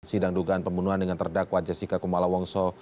sidang dugaan pembunuhan dengan terdakwa jessica kumala wongso